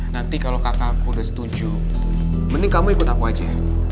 nanti kalau kakakku udah setuju mending kamu ikut aku aja